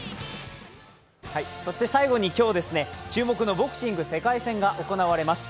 そして今日、注目のボクシング世界戦が行われます。